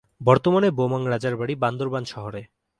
বর্তমানে বোমাং রাজার বাড়ি বান্দরবান শহরে।